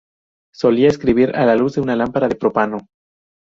Solía escribir a la luz de una lámpara de propano.